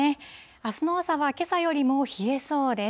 あすの朝はけさよりも冷えそうです。